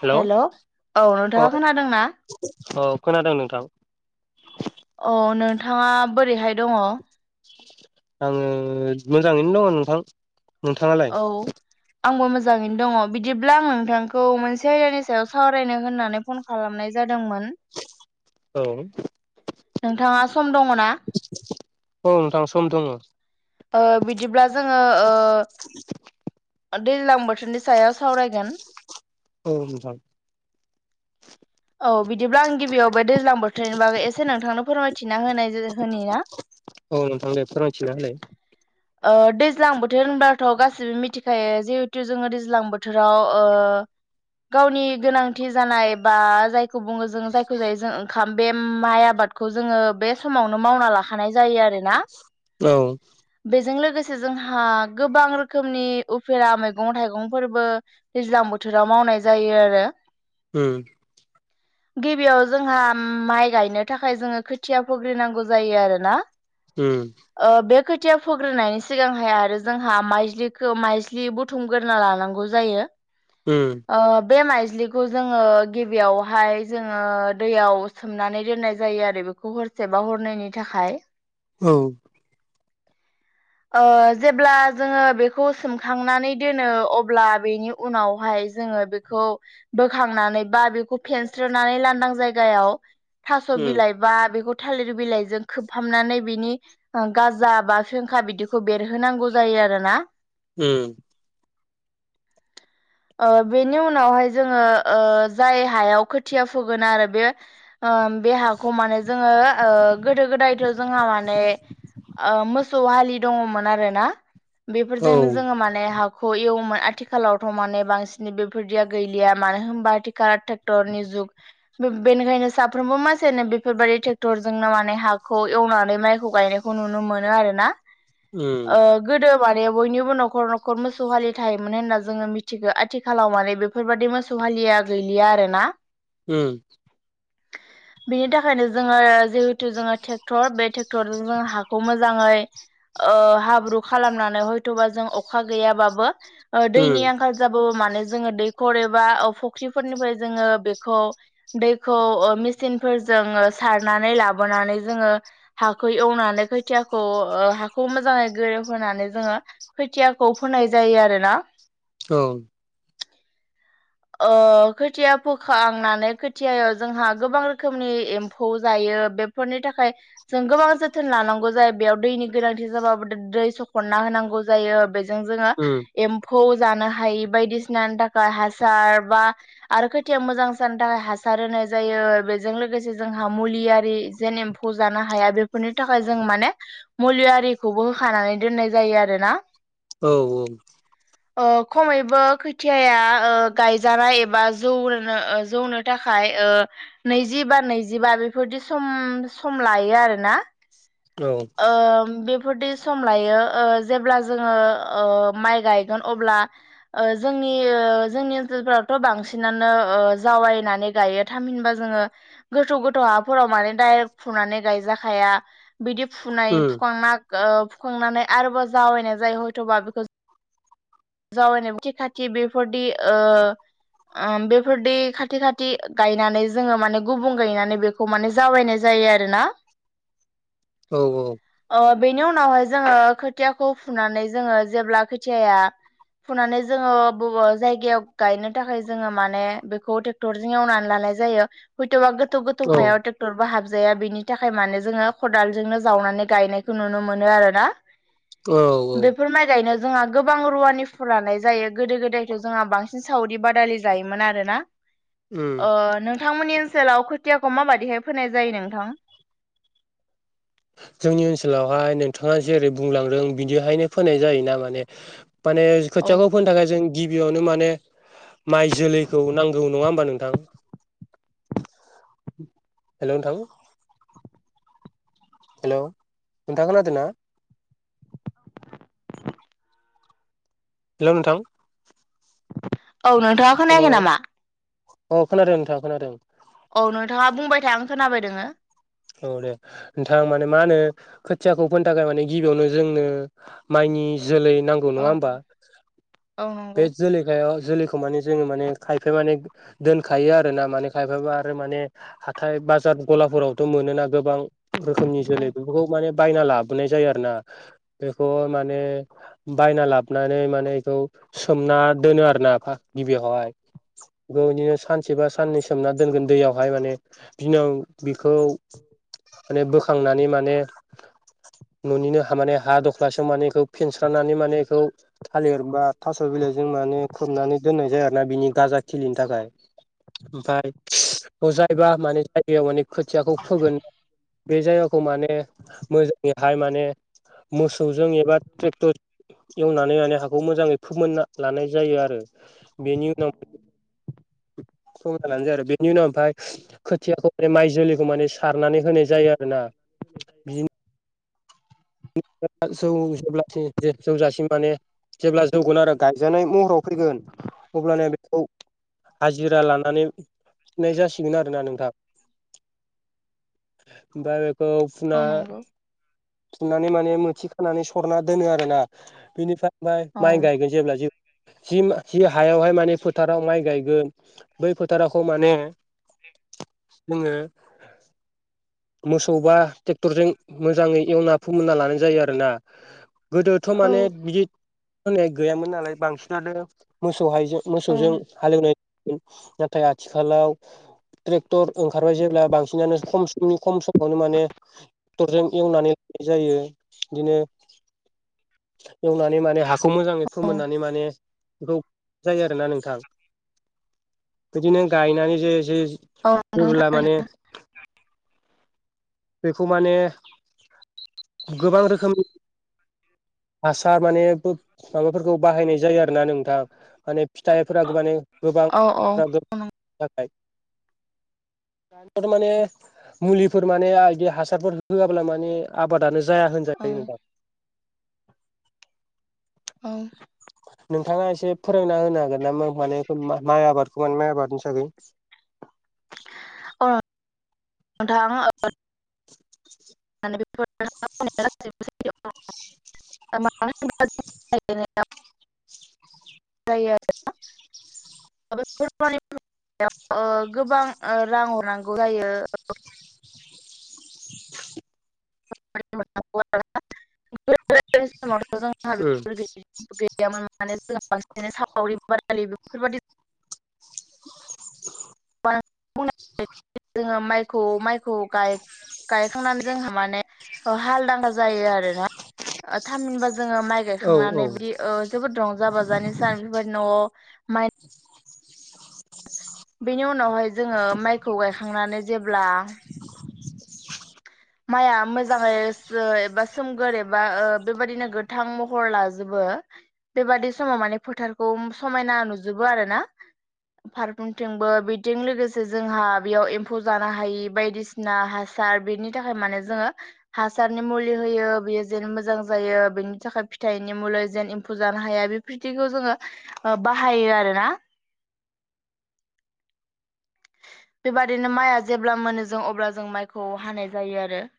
Hello हेल औ औ नोंथाङा खोनादोंना? औ खोनादों नोंथां। औ नोंथाङा बोरैहाय दङ? आङो मोजाङैनो दङ नोंथां। नोंथाङालाय? औ आंबो मोजाङैनो दङ बिदिब्ला आं नोंथांखौ मोनसे आयदानि सायाव सावरायनो होननानै फन खालामनाय जादोंमोन। औ नोंथाङा सम दङ ना? औ नोंथां सम दङ। ओ बिदिब्ला जोङो ओ दैज्लां बोथोरनि सायाव सावरायगोन। औ नोंथां। [inaudible] औ बिदिब्ला आं गिबियाव बे दैज्लां बोथोरनि बागै एसे नोंथांनो फोरमायथिना होनाय होनि ना? [inaudible] औ नोंथां दे फोरमायथिनानै ओ दैज्लां बोथोर होनबाथ' गासिबो मिथिखायो जिहेथु जोङो दैज्लां बोथोराव ओ गावनि गोनांथि जानाय बा जायखौ बुङो जों जायखौ जायो जों ओंखाम बे माइ आबा आबादखौ जोङो बे समावनो मावना लाखानाय जायो आरोना। औ बेजों लोगोसे जोंहा गोबां रोखोमनि उफेरा मैगं थाइगंफोरबो दैज्लां बो थोराव मावनाय जायो आरो। उम [inaudible] गिबियाव जोंहा माइ गायनो थाखाय जोङो खोथिया फोग्रोनांगौ जायो आरो ना। उम बे खोथिया फोग्रोनायनि सिगांहाय आरो जोंहा माइज्लिखौ माइज्लि बुथुमग्रोना लानां नगौ जायो। उम ओ बे माइज्लि ज्लिखौ जोङो गिबियावहाय जोङो दैयाव सोमनानै दोननाय जायो आरो बेखौ हर सेबा हरनैनि थाखाय औ ओ जेब्ला जोङो बेखौ सोमखांनानै दोनो अब्ला बेनि उनावहाय जोङो बेखौ बोखांनानै बा बेखौ फेनस्रोनानै लांदां जायगायाव थास' उम बिलाइ बा बेखौ थालिर बिलाइजों खोबहाबनानै बिनि गाजा बा फेंखा बि बिदिखौ बेरहोनांगौ जायो आरो ना। उम ओ बेनि उनावहाय जोङो ओ जाय हायाव खोथिया फोगोन आरो बे ओ बे हाखौ माने जोङो गोदो गोदायथ' जोंहा माने ओ मोसौ हालि दङमोन आरो ना। औ बेफोरजोंनो उम जोङो माने हाखौ एवोमोन आथिखालावथ' माने बांसिन बेफोरदिया गैलिया मानो होनबा आथिखाल ट्रेक्टरनि जुग बेनिखायनो साफ्रोमबो मानसियानो बेफोरबायदि ट्रेक्टरजों माने हाखौ एवनानै माइखौ गायनायखौ नुनो मोनो आरो ना। ओ गोदो माने बयनिबो न'खर न'खर मोसौ हालि थायोमोन होनना जोङो मिथि गो आथिखालाव माने बेफोरबायदि मोसौ हालिया गैलिया आरो ना। उम [inaudible] बिनि थाखायनो जोङो जिहेथु जोङो ट्रेक्टर बे ट्रेक्टरजोंनो हाखौ मोजाङै ओ हाब्रु खालामनानै हयथ'बा जों अखा गैयाबाबो उम दैनि आंखाल जोङो दैखर एबा फख्रिफोरनिफ्राय जोङो बेखौ दैखौ सिनफोरजों सारनानै लाबोनानै जोङो हाखौ एवनानै खोथियाखौ ओ हाखौ मोजाङै गोरोबहोनानै जोङो खोथियाखौ फोनाय जायो आरोना। औ बि ओ खोथिया फोखांनानै खोथियायाव जोंहा गोबां रोखोमनि एम्फौ जायो। बेफोरनि थाखाय जों गोबां जोथोन लानांगौ जायो बेयाव दैनि गोनांथि जाबाबो हरना होनांगौ जायो बेजों जोङो उम एम्फौ जानो हायि बायदिसिनानि थाखाय हासार बा आरो खोथियाव मोजांनि थाखाय हासार होनाय जायो। बेजों लोगोसे जोंहा मुलियारि जेन एम्फौ जानो हा हाया बेफोरनि थाखाय जों माने मुलि आरिखौबो होखानानै दोननाय जायो आरोना। औ औ अ खमै बेबो खोथियाया गायजानाय एबा जौनो जौनो थाखाय नैजिबा नैजिबा बेफोरदि सम सम लायो आरोना। औ ओ बे बेफोरदि सम लायो ओ जेब्ला जोङो ओ माइ गायगोन अब्ला ओ जों जोंनि ओ जोंनि ओनसोलफोरावथ' बांसिनानो जावायनानै गायो थामहिनबा जोङो गोथौ गोथौ हाफोराव माने डाइरेक्ट फुनानै गायजाखाया बिदि फुनाय उम फुखांना ओ फुखांनानै आरोबाव जावैनाय जायो हयथ'बा बेखौ जावैनाय [unintelligible] खाथि खाथि बेफोरदि ओ ओ बेफोरदि खाथि खाथि गायनानै जोङो माने गुबुं गायनानै बेखौ माने जावायनाय जायो। जायो आरोना। औ औ ओ बेनि उनावहाय जोङो खोथियाखौ फुनानै जोङो जेब्ला खोथियाया फुनानै जोङो बबा जायगायाव गायनो थाखाय जोङो माने बेखौ ट्रेक्टरजों एवनानै ला नाय जोयो हयथबा गोथौ गोथौ औ हायाव ट्रेकटरबो हाब जाया बेनि थाखाय माने जोङो खदालजोंनो जावनानै गायनायखौ नुनो मोनो आरोना। औ औ बेफोर माइ गायनो जोंहा गोबां रुवानि फोरालाय जायो गोदो गोदायथ' जोंहा बांसिन सावरि बादालि जायोमोन आरो ना। उम अ नों नोंथांमोननि ओनसोलाव खोथियाखौ माबादिहाय फोनाय जायो नोंथां? जोंनि ओनसोलावहाय नोंथाङा जेरै बुंलांदों बिदिहायनो फोनाय जायोना माने माने औ खोथियाखौ फोनो थाखाय जों गिबियावनो माने माइ जोलैखौ नांगौ नङा होमबा नोंथां? हेलौ नोंथां हेलौ नोंथा खोनादोंना? हेलौ नोंथां औ नोंथाङा हेल' खोनायाखै नामा? अ खोनादों नोंथां खोनादों। औ नोंथाङा बुंबाय था आं खोनाबाय दोङो। औ दे नोंथां माने मा होनो खोथियाखौ फोननो थाखाय माने गिबियावनो जोंनो माइनि जोलै नांगौ औ नङा होमबा? औ औ बे नंगौ जोलैखायाव जोलैखौ माने जोङो माने खायफाया माने दोनखायो आरो ना माने खायफाबा आरो माने हाथाय बा जार गलाफोराव मोना गोबां रोखोमनि जोलै बेफोरखौ माने बायना लाबोनाय जायो आरोना बेखौ माने बायना लाबोनानै माने बेखौ सोमना दोनो आरो ना आफा गिबियावहाय बे बिदिनो सानसे बा साननै सोमना दोनगोन दैयावहाय माने बिनाव बेखौ माने बोखांनानै माने न'निनो हा माने हा दख्लासेयाव माने बेखौ फेनस्रनानै माने बेखौ थालिर बा थास' बिलाइजों माने खोबनानै दोननाय जायो आरो ना बिनि गाजा खिलिनि थाखाय। ओमफ्राय अजायबा माने जायगायाव माने खोथियाखौ फोगोन बे जायगा खौ माने मोजाङैहाय माने मोसौजों एबा ट्रेक्टर एवनानै माने हाखौ मोजाङै फोमोनना लानाय जायो आरो बेनि उनाव संना लानो जायो आरो बेनि उनाव ओमाय खोथियाखौ माने माइ जोलैखौ माने सारनानै होनाय जायो आरोना बिदिनो जौ जेब्ला जौजासिम माने जेब्ला जौगोन आरो गाय जानाय महराव फैगोन अब्लाना खौ हाजिरा लानानैनाय फुनाय जासिगोन आरोना नोंथां ओमफ्राय बेखौ फुना औ नंगौ फिन्नानै माने मोथि खानानै सरना दोनो आरोना बिनिफ्राय ओमफ्राय औ माइ गायगोन जेब्ला ज जि हायावहाय माने फोथाराव माइ गायगोन बै फोथारावखौ माने ए जोङो मोसौ बा ट्रेक्टरजों मोजाङै एवना फोमोनना लानाय जायो आरोना गोदोथ' औ माने बिदि होननाय गैयामोन नालाय बांसिनानो मोसौहाय औ मोसौजों हालेवनाय नाथाय आथिखालाव ट्रेक्टर ओंखारबाय जेब्ला बांसिनानो खम समनि खम समावनो माने ट्रेक्टरजों एवनानै जायो बिदिनो एवनानै माने हाखौ मोजाङै औ फोमोननानै माने गोथौ जायो आरोना नोंथां बिदिनो गायनानै जे जे औ अबोला नोंथां माने बेखौ माने गोबां रोखोमनि हासार माने माबाफोरखौ बाहायनाय जायो आरोना नोंथां माने फिथाइफोरा माने गोबां औ औ थाखाय [unintelligible] [inaudible] दानियाथ' माने मुलिफोर माने बिदि हासारफोर होयाब्ला माने आबादानो जाया होनजायो नोंथां औ नोंथाङा एसे फोरोंना होनो हागोन ना माने माइ आबादखौ माने माइ आबादनि थाखाय [inaudible] [inaudible] औ नोंथां [unintelligible] [unintelligible] [unintelligible] [unintelligible] बेयाव गोबां रां हरनांगौ जायो। [unintelligible] [unintelligible] [unintelligible] [unintelligible] गायखांनानै जोंहा माने हालदांग्रा जायो आरोना थामहिनबा जोङो माइ औ गायखांनानै औ बिदि जोबोद रंजा बाजानिसान बेफोरबायदि न'आव माइ बेनि उनावहाय जोङो माइखौ गायखांनानै जेब्ला [inaudible] माइआ मोजाङै सो एबा सोमगोर एबा बेबायदिनो गोथां महर लाजोबो ओ बेबादि समाव माने फोथारखौ समायना नुजोबो आरोना फारफ्रोमथिंबो बिजों लोगोसे जोंहा बेयाव एम्फौ जानो हायि बायदिसिना हा सार बिनि थाखाय माने जोङो हासारनि मुलि होयो बियो जेन मोजां जायो बेनि थाखाय फिथाइनि मु लि जेन एम्फौ जानो हाया बेफोरखौ जोङो बाहायो आरोना [inaudible] बेबादिनो माइआ जेब्ला मोनो जों अब्ला जों माइखौ हानाय जायो आरो [inaudible]